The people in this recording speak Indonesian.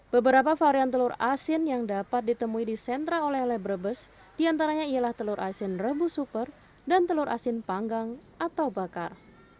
beberapa varian telur asin yang dapat ditemui di sentra oleh oleh brebes diantaranya ialah telur asin rebus super dan telur asin panggang atau bakar